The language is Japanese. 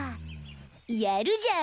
やるじゃん